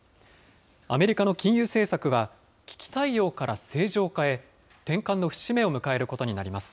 アメリカの金融政策は、危機対応から正常化へ、転換の節目を迎えることになります。